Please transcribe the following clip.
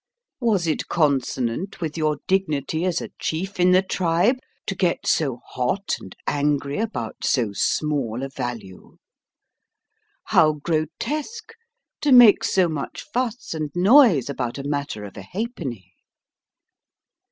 Was it consonant with your dignity as a chief in the tribe to get so hot and angry about so small a value? How grotesque to make so much fuss and noise about a matter of a ha'penny!